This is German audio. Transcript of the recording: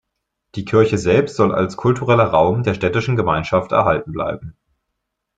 Die Kirche selbst soll als kultureller Raum der städtischen Gemeinschaft erhalten bleiben.